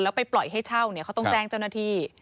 แล้วไปปล่อยให้เช่าเนี่ยเขาต้องแจ้งเจ้าหน้าที่